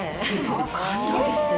感動です。